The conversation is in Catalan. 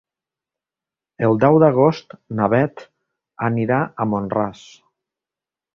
El deu d'agost na Beth anirà a Mont-ras.